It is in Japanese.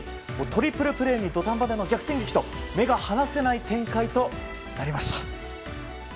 トリプルプレーに土壇場での逆転劇と目が離せない展開となりました。